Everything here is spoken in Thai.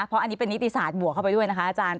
เพราะอันนี้เป็นนิติศาสตร์บวกเข้าไปด้วยนะคะอาจารย์